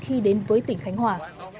khi đến với tỉnh khánh hòa